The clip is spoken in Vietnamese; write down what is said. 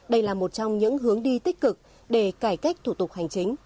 đây là một trong những hướng đi tích cực để cải cách thủ tục hành chính